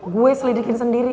gue selidikin sendiri